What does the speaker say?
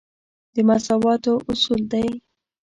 د مساواتو اصول دی.